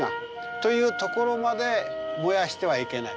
というところまで燃やしてはいけない。